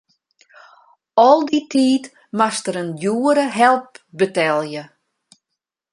Al dy tiid moast er in djoere help betelje.